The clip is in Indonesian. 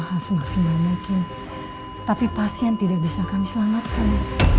hal semaksimal mungkin tapi pasien tidak bisa kami selamatkan